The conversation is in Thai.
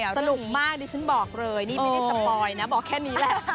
สนุกมากดิฉันบอกเลยนี่ไม่ได้สปอยนะบอกแค่นี้แหละ